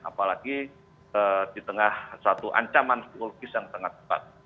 apalagi di tengah satu ancaman psikologis yang tengah tepat